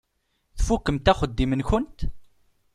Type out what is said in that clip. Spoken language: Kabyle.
Tfukkemt axeddim-nkent?